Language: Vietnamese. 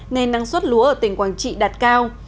nên năng suất lúa ở tỉnh quảng trị đạt cao